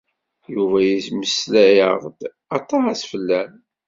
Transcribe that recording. Yuba yemmeslay-aɣ-d aṭas fell-am.